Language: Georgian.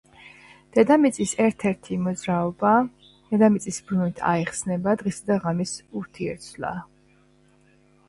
დედამიწის ერთ-ერთი მოძრაობა. დედამიწის ბრუნვით აიხსნება დღისა და ღამის ურთიერთცვლა